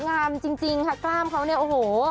งามจริงค่ะกล้ามเขาเนี่ยโอ้โห